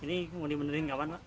ini mau dibenerin kapan pak